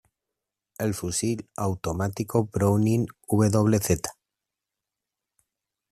El fusil automático Browning wz.